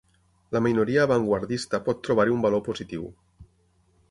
La minoria avantguardista pot trobar-hi un valor positiu.